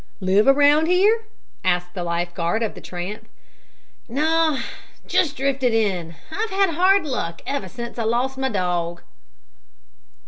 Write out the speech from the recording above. "Live around here?" asked the life guard of the tramp. "No. Just drifted in. I've had hard luck ever since I lost my dog."